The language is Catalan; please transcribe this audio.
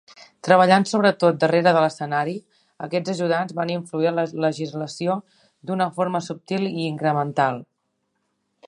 Treballant sobretot darrere del escenari, aquests ajudants van influir la legislació d'una forma subtil i incremental.